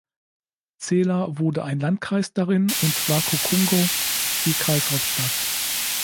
Cela wurde ein Landkreis darin, und Waku-Kungo die Kreishauptstadt.